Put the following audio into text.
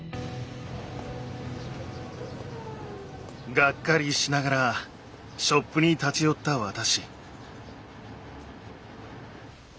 がっかりしながらショップに立ち寄った私。